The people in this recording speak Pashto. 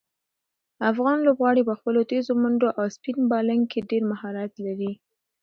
افغان لوبغاړي په خپلو تېزو منډو او سپین بالنګ کې ډېر مهارت لري.